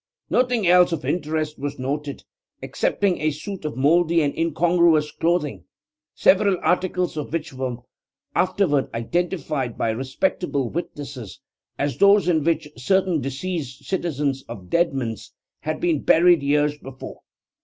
Nothing else of interest was noted, excepting a suit of mouldy and incongruous clothing, several articles of which were afterward identified by respectable witnesses as those in which certain deceased citizen's of Deadman's had been buried years before.